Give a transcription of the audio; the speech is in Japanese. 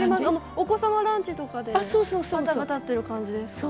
お子様ランチとかで旗が立ってる感じですか。